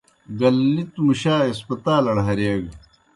گللِتوْ مُشا ہسپتالڑ ہریگہ۔